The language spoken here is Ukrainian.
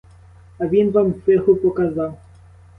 А він вам фигу показав;